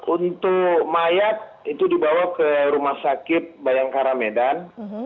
untuk mayat itu dibawa ke rumah sakit bayangkara medan